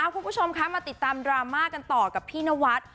คุณผู้ชมคะมาติดตามดราม่ากันต่อกับพี่นวัด